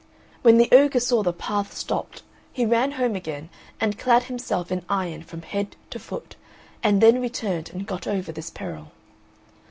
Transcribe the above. When the ogre saw the path stopped he ran home again and clad himself in iron from head to foot and then returned and got over this peril.